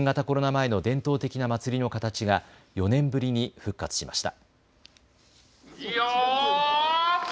前の伝統的な祭りの形が４年ぶりに復活しました。